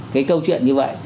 cái câu chuyện như vậy